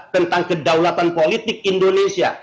tentang kedaulatan politik indonesia